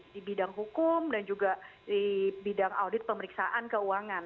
di bidang hukum dan juga di bidang audit pemeriksaan keuangan